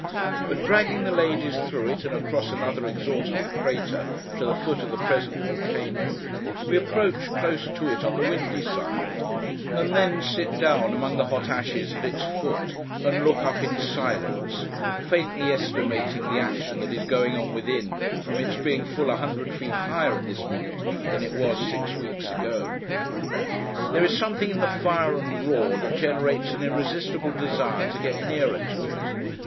But, dragging the ladies through it, and across another exhausted crater to the foot of the present Volcano, we approach close to it on the windy side, and then sit down among the hot ashes at its foot, and look up in silence; faintly estimating the action that is going on within, from its being full a hundred feet higher, at this minute, than it was six weeks ago. There is something in the fire and roar, that generates an irresistible desire to get nearer to it.